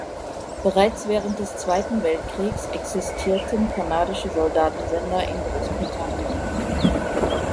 Bereits während des Zweiten Weltkriegs existierten kanadische Soldatensender in Großbritannien.